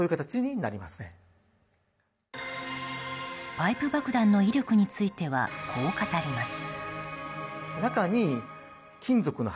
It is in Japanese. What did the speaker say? パイプ爆弾の威力についてはこう語ります。